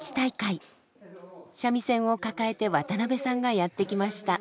三味線を抱えて渡部さんがやって来ました。